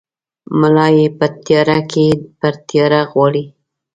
ملا ېې په تیاره کې پر تیاره غواړي!